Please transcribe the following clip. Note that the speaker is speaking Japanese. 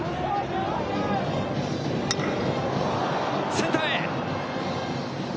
センターへ。